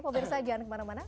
pobir saja jangan kemana mana